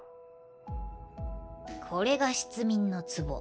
これが失眠のつぼ。